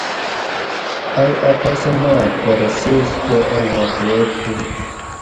ائ اۤ قصہ نات پرہ سیچکہ اۤ واقعہ تھو